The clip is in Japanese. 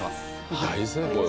大成功よ